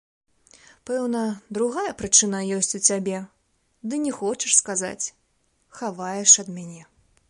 Пэўна, другая прычына ёсць у цябе, ды не хочаш сказаць, хаваеш ад мяне.